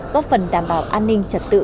góp phần đảm bảo an ninh trật tự